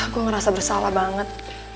gue ngerasa bersalah banget